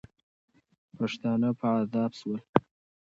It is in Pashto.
پښتانه په عذاب سول.